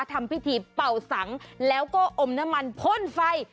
ทำพิธีเป่าสังแล้วก็อมน้ำมันพ่นไฟ